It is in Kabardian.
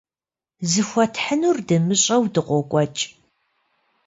Зыхуэтхьынур дымыщӀэу дыкъокӀуэкӀ.